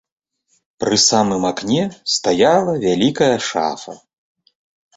Пры самым акне стаяла вялікая шафа.